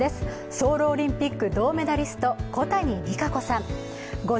ソウルオリンピック金メダリスト、小谷実可子さん。